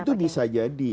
itu bisa jadi